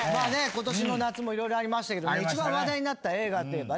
今年の夏も色々ありましたけどね一番話題になった映画といえばね